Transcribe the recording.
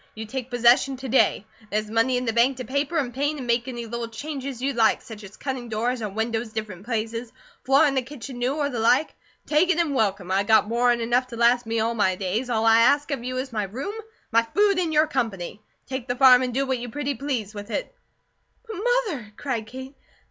You take possession to day. There's money in the bank to paper, an' paint, and make any little changes you'd like, such as cutting doors or windows different places, floorin' the kitchen new, or the like. Take it an' welcome. I got more 'an enough to last me all my days; all I ask of you is my room, my food, and your company. Take the farm, and do what you pretty please with it." "But, Mother!" cried Kate.